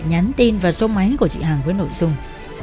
nhắn tin vào số máy của chị hằng với nội dung